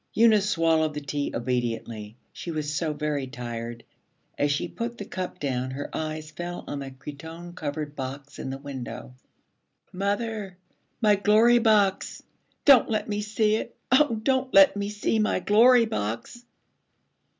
Eunice swallowed the tea obediently, she was so very tired. As she put the cup down her eyes fell on the cretonne covered box in the window. 'Mother, my Glory Box! Don't let me see it! Oh, don't let me see my Glory Box!'